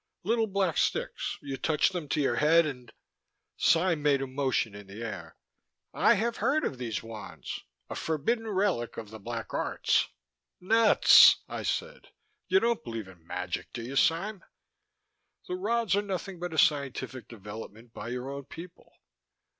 "Little black sticks: you touch them to your head and " Sime made a motion in the air. "I have heard of these wands: a forbidden relic of the Black Arts " "Nuts," I said. "You don't believe in magic, do you, Sime? The rods are nothing but a scientific development by your own people.